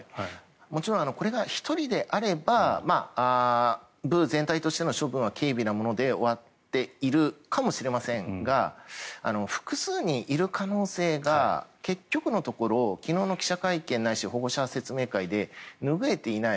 もちろんこれが１人であれば部全体としての処分は軽微なもので終わっているかもしれませんが複数人いる可能性が結局のところ昨日の記者会見ないし保護者説明会で拭えていない。